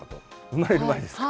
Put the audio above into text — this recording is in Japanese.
生まれる前ですか？